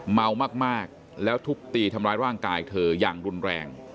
เมามากแล้วทุบตีทำร้ายร่างกายเธออย่างรุนแรง